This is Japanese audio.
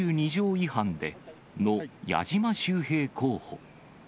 違反での矢島秀平候補。